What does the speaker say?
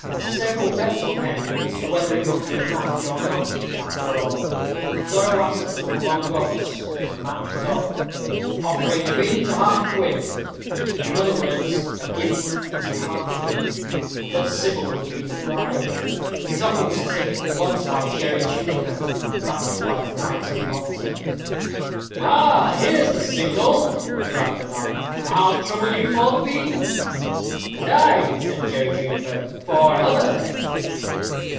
Several bets were pending as to whether it would be a match or not after all. Zoroaster took long odds that the match was off offering a bean to half a quid in other words, a guinea to a half guinea that Sybil would be the bride. His offer was taken at once by Jerry Juniper, and backed by the knight of Malta. "Ha! there's the signal," cried the knight; "I'll trouble you for the bean." "And I," added Jerry Juniper, "for another."